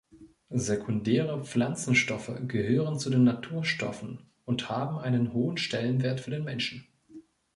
Sekundäre Pflanzenstoffe gehören zu den Naturstoffen und haben einen hohen Stellenwert für den Menschen.